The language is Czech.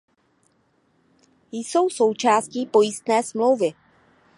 Jsou součástí pojistné smlouvy.